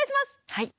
はい。